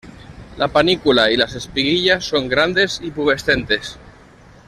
La panícula y las espiguillas son grandes y pubescentes.